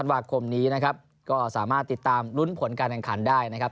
วาคมนี้นะครับก็สามารถติดตามลุ้นผลการแข่งขันได้นะครับ